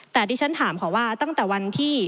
แต่ที่ฉันถามค่ะว่าตั้งแต่วันที่